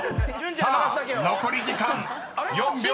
［さあ残り時間４秒２５］